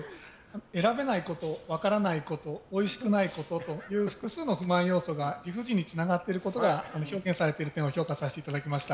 選べないこと、分からないことおいしくないことという複数の不満要素が理不尽につながっていることが評価させていただきました。